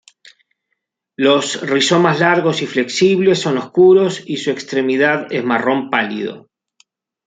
Los rizomas largos y flexibles son oscuros y su extremidad es marrón pálido.